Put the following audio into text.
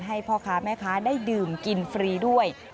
ให้พ่อค้าแม่ค้าได้ดื่มกินฟรีด้วย